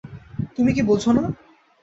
তুমি কি বোঝো না?